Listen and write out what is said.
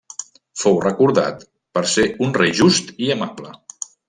Fou recordat per ser un rei just i amable.